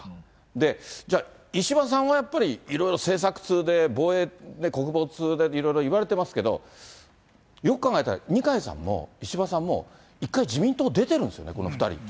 で、じゃあ、石破さんはやっぱりいろいろ政策通で防衛、国防通で、いろいろ言われてますけど、よく考えたら、二階さんも石破さんも、１回、自民党を出てるんですよね、この２人。